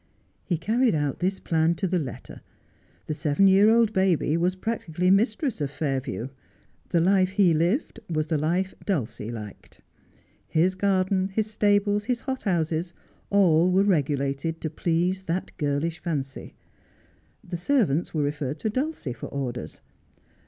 He carried out this plan to the letter. The seven year old baby was practically mistress of Fairview. The life he lived was the life Dulcie liked. His garden, his stables, his hothouses, all were regulated to please that girlish fancy. The servants were referred to Dulcie for orders.